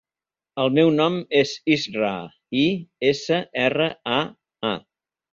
El meu nom és Israa: i, essa, erra, a, a.